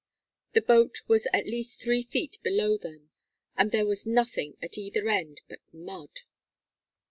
The boat was at least three feet below them and there was nothing at either end but mud.